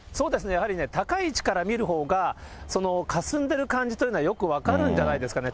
やはりね、高い位置から見るほうが、かすんでる感じというのはよく分かるんじゃないですかね。